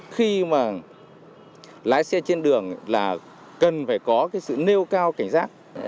khi mà lái xe trên đường là cần phải có cái sự nêu cao cảnh giác